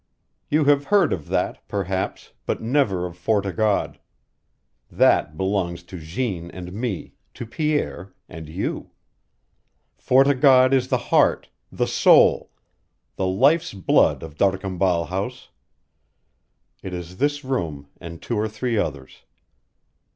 You have heard of that, perhaps, but never of Fort o' God. That belongs to Jeanne and me, to Pierre and you. Fort o' God is the heart, the soul, the life's blood of D'Arcambal House. It is this room and two or three others.